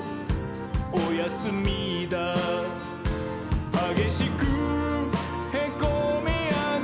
おやすみだー」「はげしくへこみーあんどゆー」